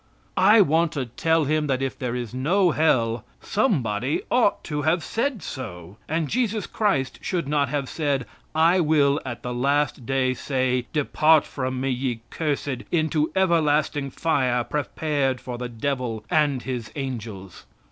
I want to tell Him that if there is no Hell, somebody ought to have said so, and Jesus Christ should not have said: "I will at the last day say: 'Depart from me, ye cursed, into everlasting fire prepared for the devil and his angels.'"